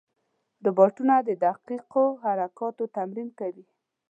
روبوټونه د دقیقو حرکاتو تمرین کوي.